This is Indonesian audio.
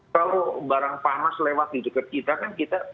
kalau barang panas lewat di dekat kita kan kita